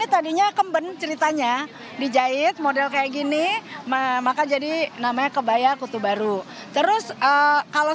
tadinya kemben ceritanya dijahit model kayak gini maka jadi namanya kebaya kutu baru terus kalau